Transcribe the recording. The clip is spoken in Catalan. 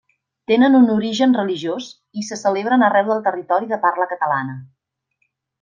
Tenen un origen religiós i se celebren arreu del territori de parla catalana.